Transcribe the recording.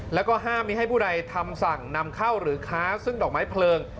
แล้วก็ห้ามมีให้ผู้ใดทำสั่งนำเข้าหรือค้าซึ่งดอกไม้เพลิง